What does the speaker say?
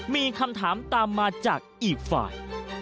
มีคำถามตามมาจากอีกฝ่าย